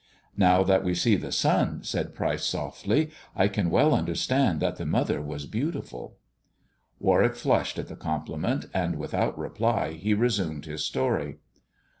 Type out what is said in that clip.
"Now that we see the son," said Pryce softly, "I can well understand that the mother was beautiful." Warwick flushed at the compliment, and, without reply, he resumed his story.